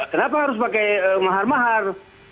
kenapa harus pakai mahar mahar